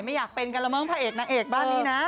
ไม่อยากเป็นกันแล้วมั้งพระเอกนางเอกบ้านนี้นะ